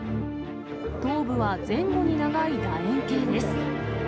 頭部は前後に長いだ円形です。